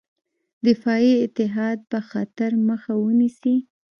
دفاعي اتحاد به خطر مخه ونیسي.